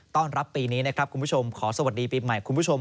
ต้อนรับปีนี้นะครับคุณผู้ชมขอสวัสดีปีใหม่คุณผู้ชม